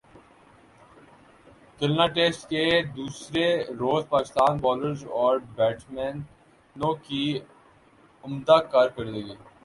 کھلنا test کے دوسرے روز پاکستانی بالرزاور بیٹسمینوں کی عمدہ کارکردگی